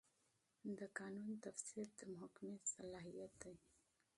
د قانون تفسیر د محکمې صلاحیت دی.